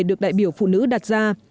được đại biểu phụ nữ đặt ra